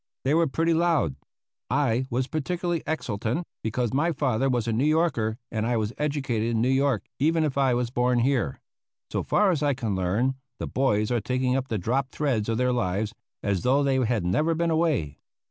They were pretty loud. I was particularly exultant, because my father was a New Yorker and I was educated in New York, even if I was born here. So far as I can learn, the boys are taking up the dropped threads of their lives, as though they had never been away.